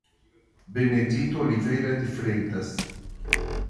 Benedito Oliveira de Freitas